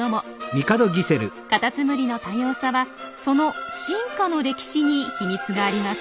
カタツムリの多様さはその進化の歴史に秘密があります。